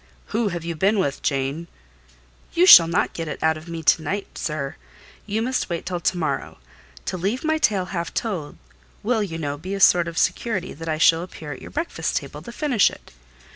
"Who have you been with, Jane?" "You shall not get it out of me to night, sir; you must wait till to morrow; to leave my tale half told, will, you know, be a sort of security that I shall appear at your breakfast table to finish it.